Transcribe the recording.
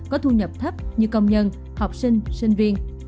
có thu nhập thấp như công nhân học sinh sinh viên